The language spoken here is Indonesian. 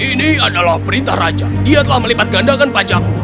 ini adalah perintah raja dia telah melipatgandakan pajakmu